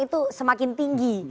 itu semakin tinggi